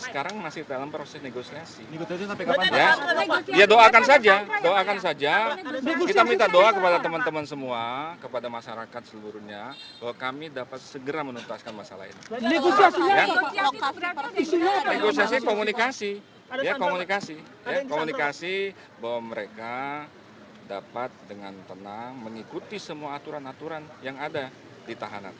komunikasi ya komunikasi ya komunikasi bahwa mereka dapat dengan tenang mengikuti semua aturan aturan yang ada di tahanan